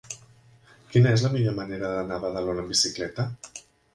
Quina és la millor manera d'anar a Badalona amb bicicleta?